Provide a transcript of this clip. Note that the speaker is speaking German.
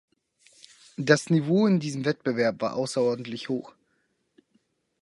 Das Niveau in diesem Wettbewerb war außerordentlich hoch.